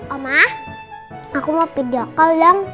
oma aku mau pidokol dong